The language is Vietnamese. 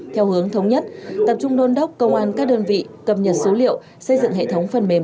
theo hướng thống nhất tập trung đôn đốc công an các đơn vị cập nhật số liệu xây dựng hệ thống phần mềm